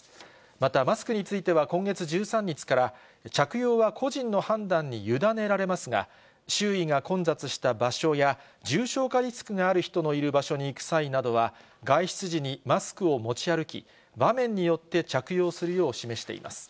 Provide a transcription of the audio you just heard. またマスクについては今月１３日から、着用は個人の判断に委ねられますが、周囲が混雑した場所や、重症化リスクがある人のいる場所に行く際などは、外出時にマスクを持ち歩き、場面によって着用するよう示しています。